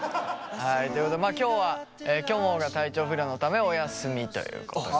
はいということで今日はきょもが体調不良のためお休みということで。